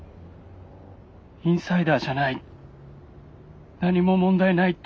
インサイダーじゃない何も問題ないって。